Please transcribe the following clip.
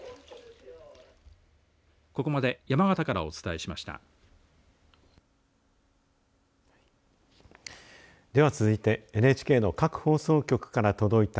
ここまで山形からお伝えしました。